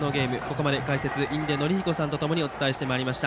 ここまで解説の印出順彦さんとともにお伝えしてまいりました。